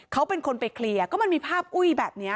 เขาเป็นคนไปเคลียร์ก็มันมีภาพอุ้ยแบบนี้